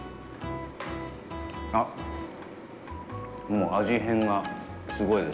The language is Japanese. あっ、でも、味変がすごいです。